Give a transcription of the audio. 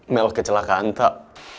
mel kecelakaan tak